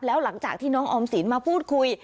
แล้วหลังจากที่น้องออมสินมาพูดคุย